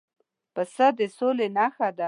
پسه د سولې نښه ده.